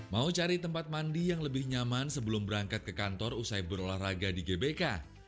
mau cari tempat mandi yang lebih nyaman sebelum berangkat ke kantor usai berolahraga di gbk